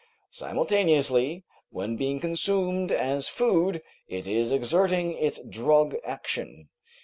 Simultaneously when being consumed as food it is exerting its drug action.